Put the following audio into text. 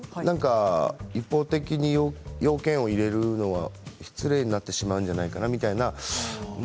一方的に用件を入れるのは失礼になってしまうんじゃないかなみたいな。